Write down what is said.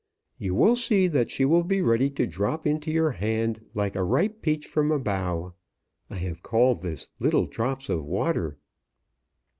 You will see that she will be ready to drop into your hand like a ripe peach from a bough. I have called this 'Little Drops of Water.'"